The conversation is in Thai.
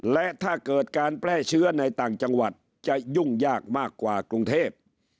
และถ้าเกิดการแพร่เชื้อในต่างจังหวัดจะยุ่งยากมากกว่ากรุงเทพ